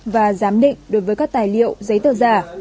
và giám định đối với các tài liệu giấy tờ giả